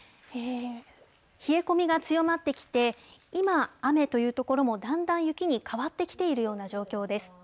冷え込みが強まってきて、今、雨という所もだんだん雪に変わってきているような状況です。